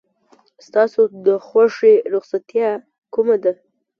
ستا د خوښې رخصتیا کومه ده؟